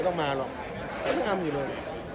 ก็ต้องมาหรอกมันยังอำกัดอยู่เลย